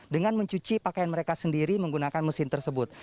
dengan mencuci pakaian mereka sendiri menggunakan mesin tersebut